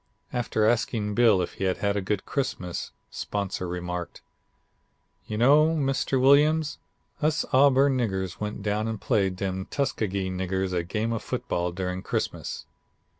"After asking Bill if he had had a good Christmas, 'Sponsor' remarked: 'You know, Mr. Williams, us Auburn niggers went down and played dem Tuskegee niggers a game of football during Christmas.'